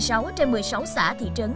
có một mươi sáu trên một mươi sáu xã thị trấn